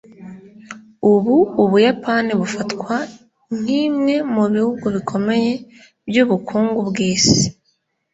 Ubu Ubuyapani bufatwa nkimwe mubihugu bikomeye byubukungu bwisi